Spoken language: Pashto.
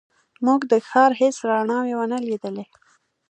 موږ د ښار هېڅ رڼاوې ونه لیدلې.